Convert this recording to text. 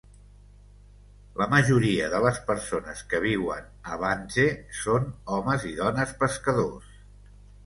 La majoria de les persones que viuen a Abandze són homes i dones pescadors.